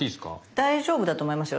大丈夫だと思いますよ。